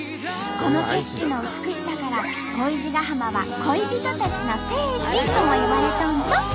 この景色の美しさから恋路ヶ浜は「恋人たちの聖地」ともいわれとんと！